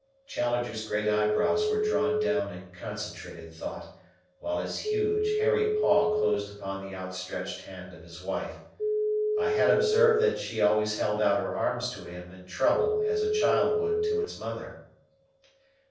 Challenger's great eyebrows were drawn down in concentrated thought, while his huge, hairy paw closed upon the outstretched hand of his wife. I had observed that she always held out her arms to him in trouble as a child would to its mother.